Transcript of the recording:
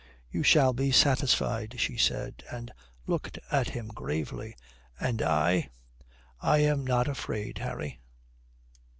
"You shall be satisfied," she said, and looked at him gravely. "And I I am not afraid, Harry."